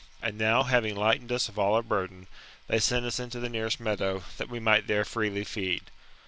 And now having lightened us of all our burden, they sent us into the nearest meadow, that we might there freely feed.